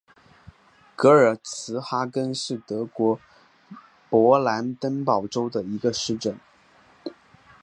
格尔茨哈根是德国勃兰登堡州的一个市镇。